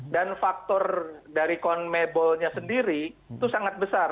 dan faktor dari conmebolnya sendiri itu sangat besar